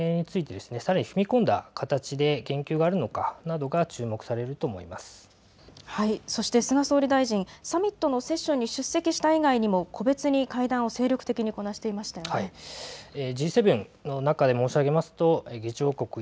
今回はこれについてさらに踏み込んだ形で言及があるのかそして菅総理大臣サミットのセッションに出席した以外にも個別に会談を精力的にこなしていましたよね。